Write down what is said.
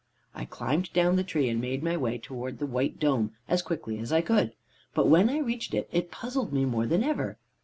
"I climbed down the tree, and made my way towards the white dome as quickly as I could, but when I reached it, it puzzled me more than ever.